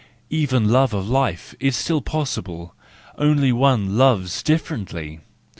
Even love of life is still possible—only one loves differently.